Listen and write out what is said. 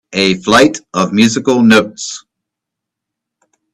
A flight of musical notes